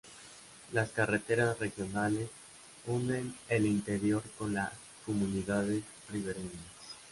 Las carreteras regionales unen el interior con las comunidades ribereñas.